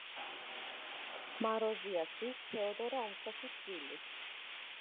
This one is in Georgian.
მაროზიას დის, თეოდორა უმცროსის შვილი.